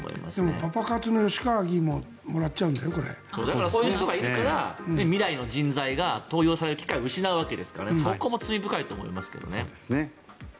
でもパパ活の吉川議員もそういう人がいるから未来の人材が登用される機会が失われるわけですからそこも罪深いと思いますけどね。